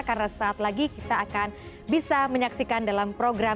karena saat lagi kita akan bisa menyaksikan dalam program